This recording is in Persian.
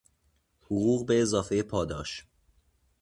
حقوق به اضافهی پاداش